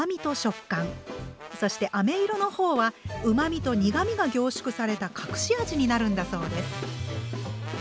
そしてあめ色の方はうまみと苦みが凝縮された隠し味になるんだそうです。